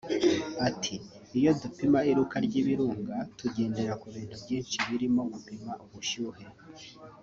Ati “Iyo dupima iruka ry’ibirunga tugendera ku bintu byinshi birimo gupima ubushyuhe